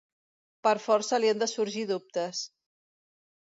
Per força li han de sorgir dubtes.